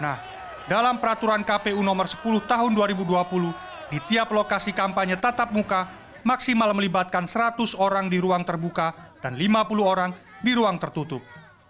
nah dalam peraturan kpu nomor sepuluh tahun dua ribu dua puluh di tiap lokasi kampanye tatap muka maksimal melibatkan seratus orang di ruang terbuka dan lima puluh orang di ruang tertutup